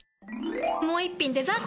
もう一品デザート！